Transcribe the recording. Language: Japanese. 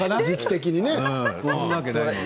時期的にね。